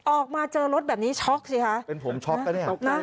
ออกมาเจอรถแบบนี้ช็อกสิคะเป็นผมช็อกนะเนี่ย